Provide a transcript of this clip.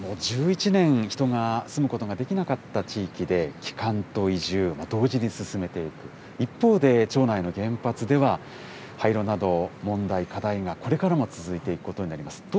１１年、人が住むことができなかった地域で、帰還と移住、同時に進めていく、一方で、町内の原発では廃炉など、問題、課題がこれからも続いていくことになります。